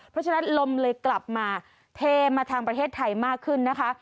เพราะฉะนั้นลมเลยกลับมาเทมาทางประเทศไทยมากขึ้นนะคะ